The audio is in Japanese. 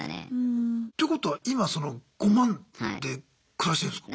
てことは今その５万で暮らしてるんすか？